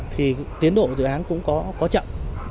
thì tiến độ dự án cũng có chậm